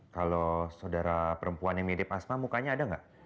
kalau saudara perempuan yang mirip asma mukanya ada nggak